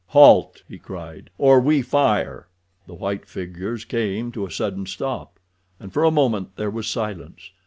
"Halt," he cried, "or we fire!" The white figures came to a sudden stop, and for a moment there was silence.